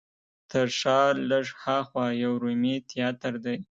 تر ښار لږ هاخوا یو رومي تیاتر دی.